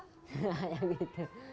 hahaha ya gitu